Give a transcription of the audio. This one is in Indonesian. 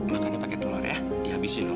makannya pakai telur ya dihabisin dulu